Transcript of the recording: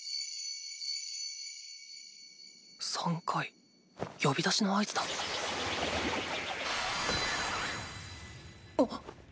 ３回呼び出しの合図だっ